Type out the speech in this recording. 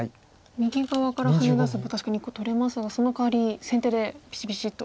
右側からハネ出せば確かに２個取れますがそのかわり先手でピシピシッと。